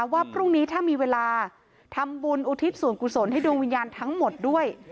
ว่าพรุ่งนี้ถ้ามีเวลาทำบุญอุทิศส่วนกุศลให้ดวงวิญญาณทั้งหมดด้วย